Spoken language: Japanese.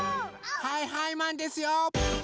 はいはいマンですよ！